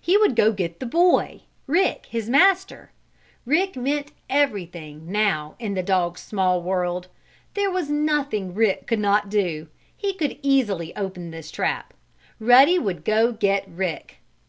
He would go get the Boy Rick, his master. Rick meant everything, now, in the dog's small world. There was nothing Rick could not do. He could easily open this trap. Ruddy would go get Rick.